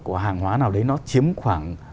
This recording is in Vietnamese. của hàng hóa nào đấy nó chiếm khoảng